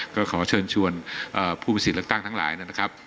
ก็ขอเชิญชวนผู้มีสิทธิ์เลือกตั้งทั้งหลายนะครับ